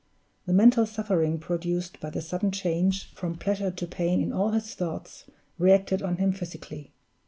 The mental suffering produced by the sudden change from pleasure to pain in all his thoughts, reacted on him physically.